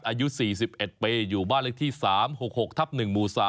อายุ๔๑ปีอยู่บ้านเลขที่๓๖๖ทับ๑หมู่๓